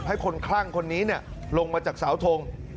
ให้คนคลั่งคนนี้ลงมาจากเสาทง